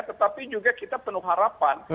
tetapi juga kita penuh harapan